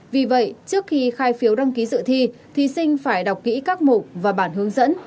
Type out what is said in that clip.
vì vậy trước khi khai phiếu đăng ký dự thi thí sinh phải đọc kỹ các mục và bản hướng dẫn